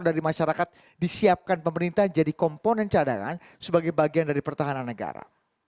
dari masyarakat disiapkan pemerintah jadi komponen cadangan sebagai bagian dari pertahanan negara